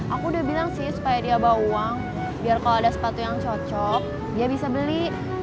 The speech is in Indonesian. aku udah bilang sih supaya dia bawa uang biar kalau ada sepatu yang cocok dia bisa beli